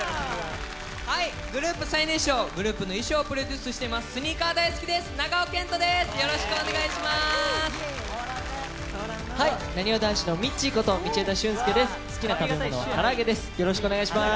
グループ最年少、グループの衣装をプロデュースしています、長尾謙杜です。